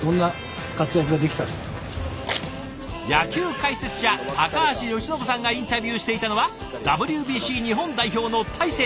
野球解説者高橋由伸さんがインタビューしていたのはＷＢＣ日本代表の大勢投手。